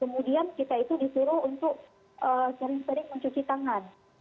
kemudian kita itu disuruh untuk sering sering mencuci tangan